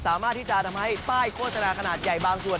สามารถที่จะทำให้ป้ายโฆษณาขนาดใหญ่บางส่วน